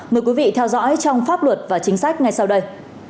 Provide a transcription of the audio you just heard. mời quý vị theo dõi trong pháp luật và chính sách ngay sau đây